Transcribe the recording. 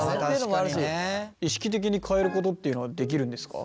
意識的に変えることっていうのはできるんですか？